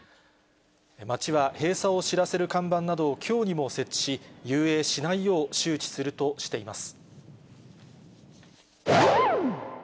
町は閉鎖を知らせる看板などをきょうにも設置し、遊泳しないよう、周知するとしています。